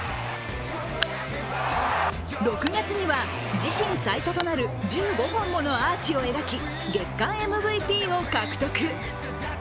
６月には、自身最多となる１５本ものアーチを描き月間ＭＶＰを獲得。